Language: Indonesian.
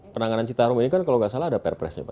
penanganan citarum ini kan kalau nggak salah ada perpresnya pak